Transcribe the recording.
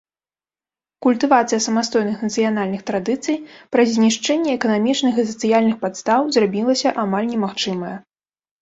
Культывацыя самастойных нацыянальных традыцый, праз знішчэнне эканамічных і сацыяльных падстаў, зрабілася амаль немагчымая.